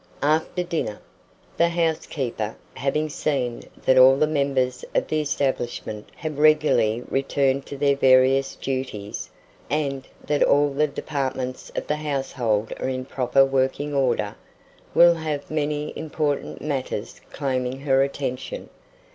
AFTER DINNER, the housekeeper, having seen that all the members of the establishment have regularly returned to their various duties, and that all the departments of the household are in proper working order, will have many important matters claiming her attention.